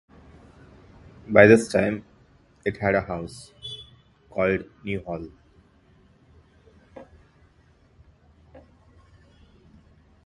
By this time it had a house called New Hall.